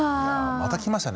またきましたね。